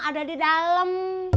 ada di dalam